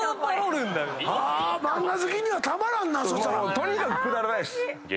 とにかくくだらないっす。